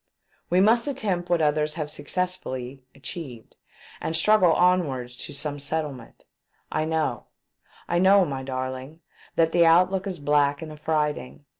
We must attempt 446 THE DEATH SHIP. what others have successfully achieved, and struggle onwards to some settlement. I know — I know, my darling, that the outlook is black and affrighting.